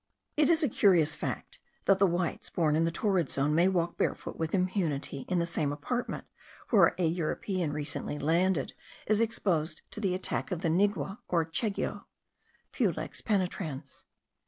It is a curious fact, that the whites born in the torrid zone may walk barefoot with impunity, in the same apartment where a European recently landed is exposed to the attack of the nigua or chegoe (Pulex penetrans).